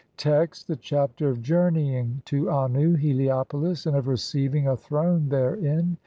Text : (1) The Chapter of journeying to Annu (Helio polis) AND OF RECEIVING A THRONE THEREIN.